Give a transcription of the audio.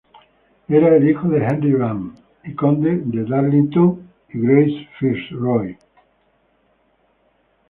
Era el hijo de Henry Vane, I conde de Darlington y Grace Fitzroy.